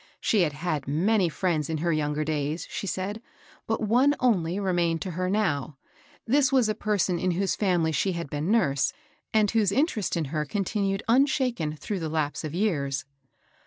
She had had many fiiends in her younger days, she said, but one only remained to her now. This was a person in whose family she had been nurse, and whose interest in her con tinued unshaken through the lapse of years.